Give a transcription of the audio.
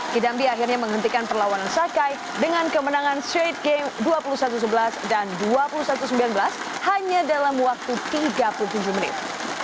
kidambi akhirnya menghentikan perlawanan sakai dengan kemenangan straight game dua puluh satu sebelas dan dua puluh satu sembilan belas hanya dalam waktu tiga puluh tujuh menit